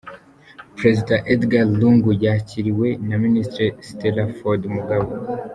Perezida Edgar Lungu yakiriwe na Minisitiri Stella Ford Mugabo.